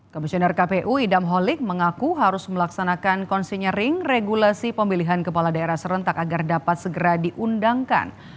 komisioner kpu idam holik mengaku harus melaksanakan konsinyering regulasi pemilihan kepala daerah serentak agar dapat segera diundangkan